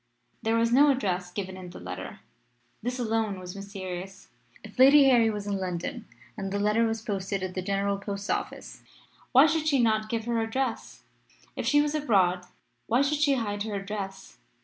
There was no address given in the letter. This alone was mysterious. If Lady Harry was in London and the letter was posted at the General Post Office why should she not give her address? If she was abroad, why should she hide her address?